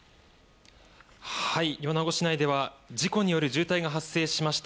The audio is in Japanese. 米子市内では事故による渋滞が発生しました。